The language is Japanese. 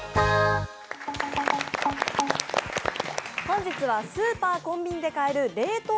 本日はスーパー、コンビニで変える冷凍